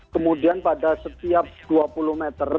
kemudian pada setiap dua puluh meter